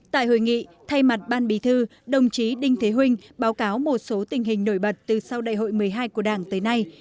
tại hội nghị thay mặt ban bí thư đồng chí đinh thế huynh báo cáo một số tình hình nổi bật từ sau đại hội một mươi hai của đảng tới nay